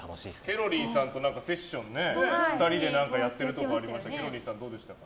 ケロリンさんとセッション２人でやってるところありましたけどどうでしたか？